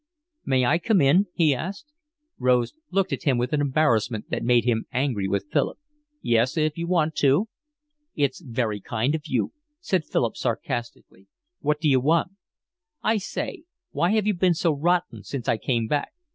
"May I come in?" he asked. Rose looked at him with an embarrassment that made him angry with Philip. "Yes, if you want to." "It's very kind of you," said Philip sarcastically. "What d'you want?" "I say, why have you been so rotten since I came back?"